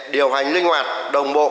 điều hành linh hoạt đồng bộ